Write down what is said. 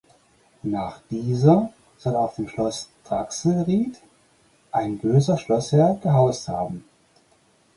Nach dieser soll auf dem Schloss Drachselsried ein böser Schlossherr gehaust haben.